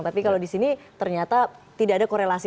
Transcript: tapi kalau di sini ternyata tidak ada korelasi